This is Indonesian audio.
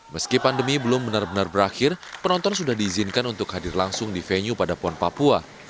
meski pandemi belum benar benar berakhir penonton sudah diizinkan untuk hadir langsung di venue pada pon papua